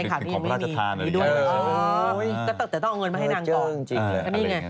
ก็ต้องเอาเงินมาให้นางก่อน